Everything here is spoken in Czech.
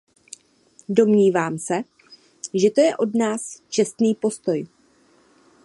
Domnívám se, že to je od nás čestný postoj.